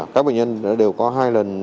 các bệnh nhân đều có hai lần xét nghiệm